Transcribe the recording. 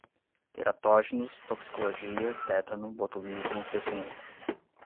teratógenos, toxicologia, tétano, botulismo, peçonhento